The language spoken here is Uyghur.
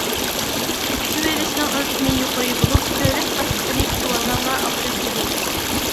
كۈتۈۋېلىشنىڭ ئۆلچىمى يۇقىرى بولۇپ، دۆلەت باشلىقىنى كۈتۈۋالغانغا ئوخشاش ئىدى.